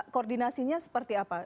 koordinasinya seperti apa